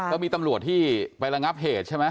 ก็มีตำรวจที่ไประงับเหตุใช่ไหม